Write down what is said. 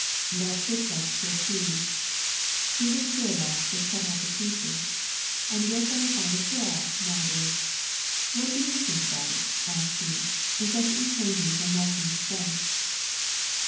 " That fits us to a T. Even Suvarof was cut all to pieces, and where shall we find a Suvarof nowadays ? ^Vhat do you think about it ?" asked he, incessantly changing from Kussian to French.